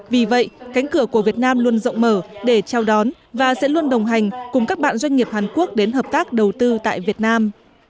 vì vậy cánh cửa của việt nam luôn rộng mở để chào đón và sẽ luôn đồng hành cùng các bạn doanh nghiệp hàn quốc đến hợp tác đầu tư tại việt nam